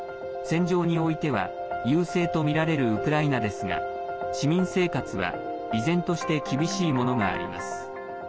戦場においては優勢とみられるウクライナですが市民生活は依然として厳しいものがあります。